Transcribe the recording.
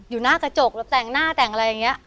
อยู่หน้ากระจกแบบแต่งหน้าแต่งอะไรอย่างนี้